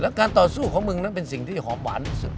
การต่อสู้ของมึงนั้นเป็นสิ่งที่หอมหวานที่สุด